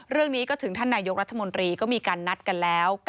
เรื่องนี้ก็ถึงท่านนายกรัฐมนตรีก็มีการนัดกันแล้ว